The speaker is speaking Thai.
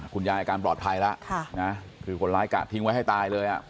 อาการปลอดภัยแล้วคือคนร้ายกะทิ้งไว้ให้ตายเลยอ่ะ